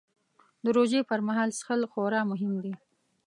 د روژې پر مهال څښل خورا مهم دي